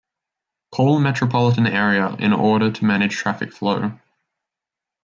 Paul metropolitan area in order to manage traffic flow.